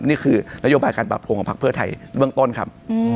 นี่คือนโยบายการปรับโครงของพักเพื่อไทยเบื้องต้นครับ